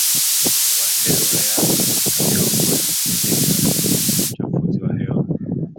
wa hewa yao katika miongo ya hivi karibuni Lakini uchafuzi wa hewa